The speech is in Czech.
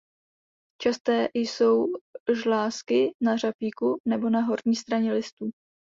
Časté jsou žlázky na řapíku nebo na horní straně listů.